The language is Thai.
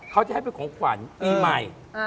เขาจะให้เป็นของขวัญปีใหม่